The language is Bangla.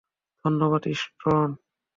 ধন্যবাদ, স্টোন।